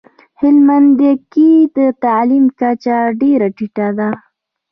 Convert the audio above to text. هلمندکي دتعلیم کچه ډیره ټیټه ده